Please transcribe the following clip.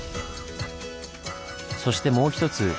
そしてもう一つ